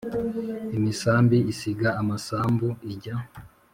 Imisambi isiga amasambu ijya